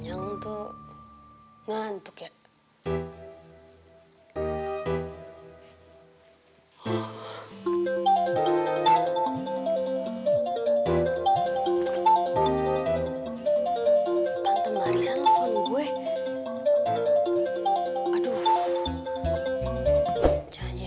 jangan jangan kemarin mana kasih selalu kayak gitu